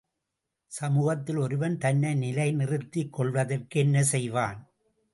சமூகத்தில் ஒருவன் தன்னை நிலை நிறுத்திக் கொள்வதற்கு என்ன செய்வான்?